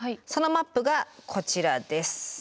そのマップがこちらです。